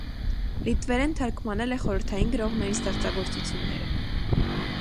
Լիտվերեն թարգմանել է խորհրդային գրողների ստեղծագործությունները։